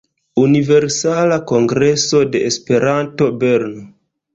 Universala Kongreso de Esperanto Bern“.